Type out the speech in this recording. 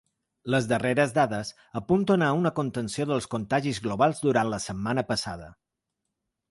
Les darreres dades apunten a una contenció dels contagis globals durant la setmana passada.